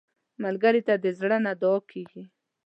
ملګری ته د زړه نه دعا کېږي